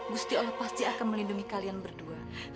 gusti allah pasti akan melindungi kalian berdua